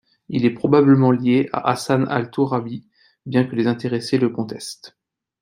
Il est probablement lié à Hassan al-Tourabi, bien que les intéressés le contestent.